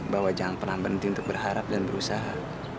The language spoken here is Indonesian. bahwa jangan pernah berhenti untuk berharap dan berusaha